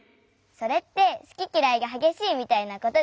それってすききらいがはげしいみたいなことでしょ？